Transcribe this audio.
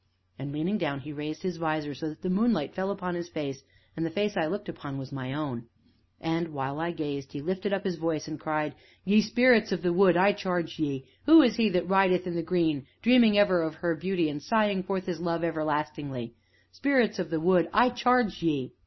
And, leaning down, he raised his visor so that the moonlight fell upon his face, and the face I looked upon was my own; and, while I gazed, he lifted up his voice, and cried: "Ye Spirits of the Wood, I charge ye who is he that rideth in the green, dreaming ever of her beauty, and sighing forth his love everlastingly, Spirits of the Wood, I charge ye?"